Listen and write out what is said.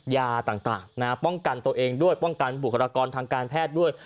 ยาต่างป้องกันตัวเองด้วยป้องกันบุคลากรทางการแพทย์ด้วย